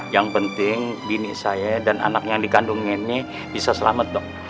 yang penting bini saya dan anak yang dikandung ini bisa selamat dok